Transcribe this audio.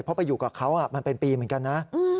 เพราะไปอยู่กับเขามันเป็นปีเหมือนกันนะ